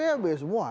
ya b semua